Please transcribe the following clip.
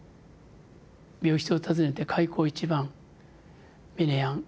病室を訪ねて開口一番「ミネヤン